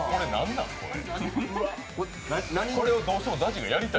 これをどうしてもＺＡＺＹがやりたい？